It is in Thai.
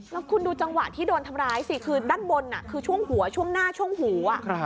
แล้วคุณดูจังหวะที่โดนทำร้ายสิคือด้านบนคือช่วงหัวช่วงหน้าช่วงหู